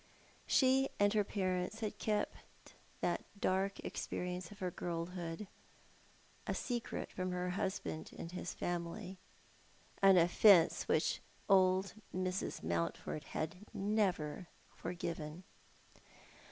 she and her parents had kept that dark experience of her girl hood a secret from her husband and his family, an offence which old Mrs. Mountford had never forgiven.